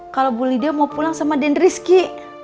kalau bu lydia mau pulang sama den rizky